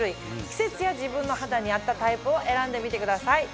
季節や自分の肌に合ったタイプを選んでみてください。